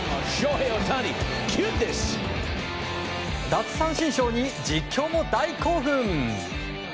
奪三振ショーに実況も大興奮。